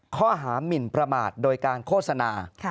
ข้อหามินประมาทโดยการโฆษณา